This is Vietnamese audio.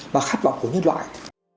mà khát vọng của nhân loại